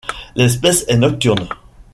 L'espèce est nocturne.